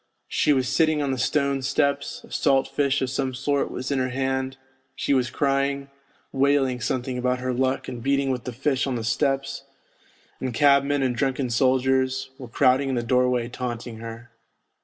She was sitting on the stone steps, a salt fish of some sort was in her hand ; she was crying, wailing something about her luck and beating with the fish on the steps, and cabmen and drunken soldiers were crowding in the doorway taunting her.